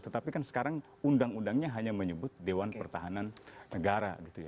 tetapi kan sekarang undang undangnya hanya menyebut dewan pertahanan negara